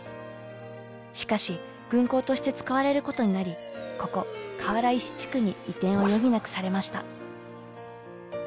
しかし軍港として使われることになりここ川原石地区に移転を余儀なくされました。